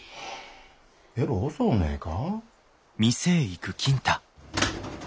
えろう遅うねえか？